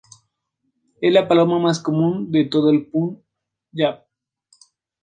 Es la paloma más común en todo el Punyab.